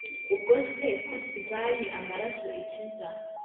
ubwose ko sivayi, amaraso ikiza